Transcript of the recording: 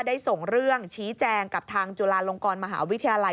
ส่งเรื่องชี้แจงกับทางจุฬาลงกรมหาวิทยาลัย